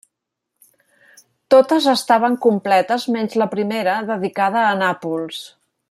Totes estaven completes menys la primera dedicada a Nàpols.